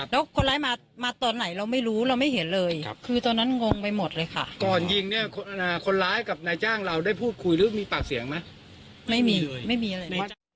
แล้วคนร้ายมาตอนไหนเราไม่รู้เราไม่เห็นเลยคือตอนนั้นงงไปหมดเลยค่ะก่อนยิงเนี่ยคนร้ายกับนายจ้างเราได้พูดคุยหรือมีปากเสียงไหมไม่มีเลยไม่มีอะไรเลย